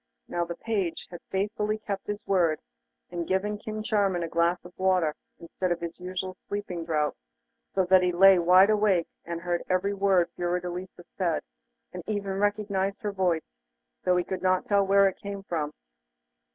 Now the page had faithfully kept his word, and given King Charming a glass of water instead of his usual sleeping draught, so there he lay wide awake, and heard every word Fiordelisa said, and even recognised her voice, though he could not tell where it came from.